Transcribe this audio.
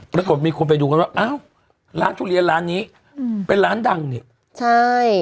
ปรากฏมีคนไปดูกันว่าอ้าวร้านทุเรียนร้านนี้อืมเป็นร้านดังนี่ใช่